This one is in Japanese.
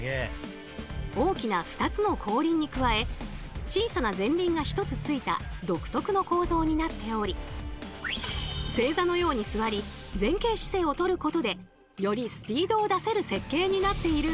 大きな２つの後輪に加え小さな前輪が１つついた独特の構造になっており正座のように座り前傾姿勢をとることでよりスピードを出せる設計になっているんです。